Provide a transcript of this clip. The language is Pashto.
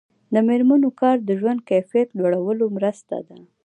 د میرمنو کار د ژوند کیفیت لوړولو مرسته ده.